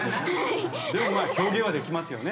でも表現はできますよね。